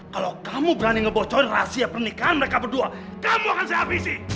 kalau kamu berani ngebocorin rahasia pernikahan mereka berdua kamu akan saya habisi